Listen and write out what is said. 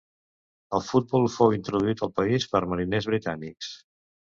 El futbol fou introduït al país per mariners britànics.